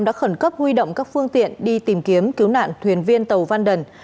đã khẩn cấp huy động các phương tiện đi tìm kiếm cứu nạn thuyền viên tàu vanden